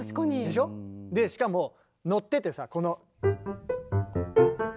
でしょ？でしかも乗っててさこの。